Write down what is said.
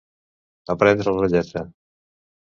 Aprendre de lletra.